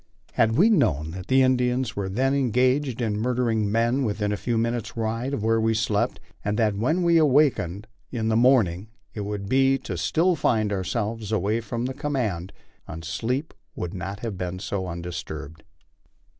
Had we known that the Indians were then engaged in murdering men within a few minutes' ride of where we slept, and that when we awakened i the morning it would be to still find ourselves away from the command, on sleep would not have been so undisturbed.